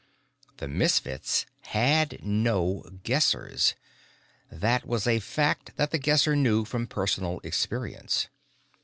The Misfits had no Guessers. That was a fact that The Guesser knew from personal experience.